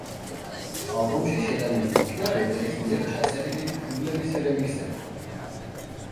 ალბომში შეტანილი იქნა რეპერის მიერ ჩაწერილი დუბლების რემიქსები.